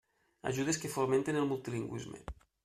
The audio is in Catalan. Ajudes que fomenten el multilingüisme.